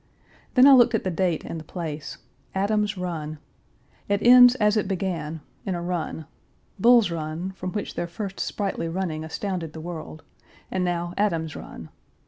Then I looked at the date and the place Adam's Run. It ends as it began in a run Bull's Run, from which their first sprightly running astounded the world, and now Adam's Run.